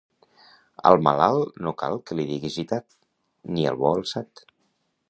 Al malalt no cal que li digues gitat, ni al bo, alçat.